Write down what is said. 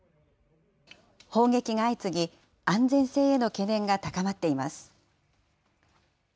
砲撃が相次ぎ、安全性への懸念が高まっています。